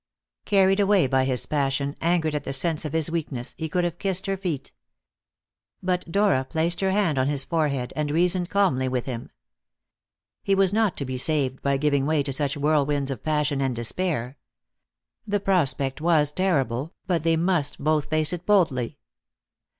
Carried away by his passion, angered at the sense of his weakness, he could have kissed her feet. But Dora placed her hand on his forehead and reasoned calmly with him. He was not to be saved by giving way to such whirlwinds of passion and despair. The prospect was terrible, but they must both face it boldly.